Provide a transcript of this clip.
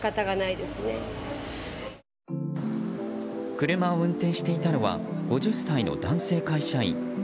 車を運転していたのは５０代の男性会社員。